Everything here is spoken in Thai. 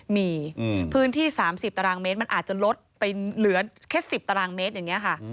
มีพื้นที่๓๐ตารางเมตรมันอาจจะลดไปเหลือแค่๑๐ตารางเมตร